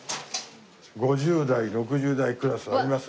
「５０代６０代クラスあります」